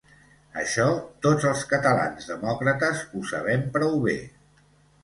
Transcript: Això tots els catalans demòcrates ho sabem prou bé.